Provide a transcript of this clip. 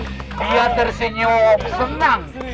dia tersenyum senang